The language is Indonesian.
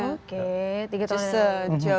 oke tiga tahun yang lalu